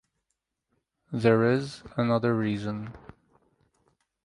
There is another reason.